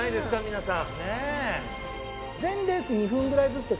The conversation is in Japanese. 皆さん。